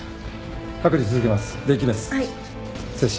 剥離続けます。